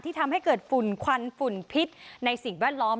ทำให้เกิดฝุ่นควันฝุ่นพิษในสิ่งแวดล้อม